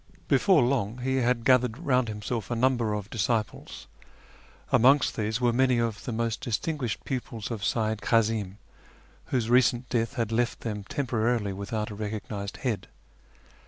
Before long he had gathered round himself a number of disciples. Amongst these were many of the most distinguished pupils of Seyyid Kazim, whose recent death had left them temporarily without a recognised head.